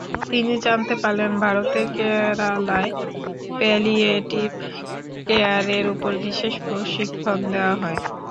তিনি জানতে পারলেন ভারতের কেরালায় প্যালিয়েটিভ কেয়ারের ওপর বিশেষ প্রশিক্ষণ দেওয়া হয়।